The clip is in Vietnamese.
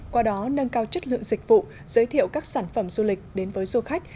qua đó nâng cao chất lượng dịch vụ giới thiệu các sản phẩm du lịch đến với du khách